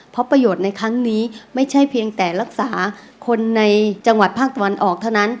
เพราะประโยชน์ในครั้งนี้ไม่ใช่เพียงแต่รักษาคนในจังหวัดภาคตะวันออกเท่านั้น